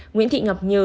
nguyễn thị ngọc như